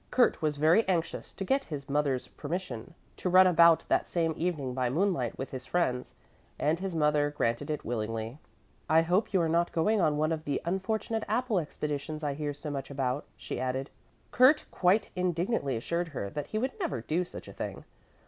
Kurt was very anxious to get his mother's permission to run about that same evening by moonlight with his friends, and his mother granted it willingly. "I hope you are not going on one of the unfortunate apple expeditions I hear so much about," she added. Kurt quite indignantly assured her that he would never do such a thing.